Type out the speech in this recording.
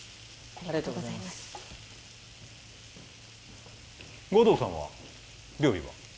ありがとうございます護道さんは料理は？